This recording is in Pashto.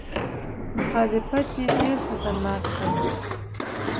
مخالفت یې ډېر خطرناک دی.